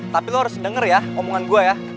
tapi lo harus denger ya omongan gue ya